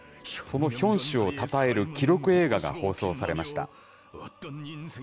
そのヒョン氏をたたえる記録映画が放送されました。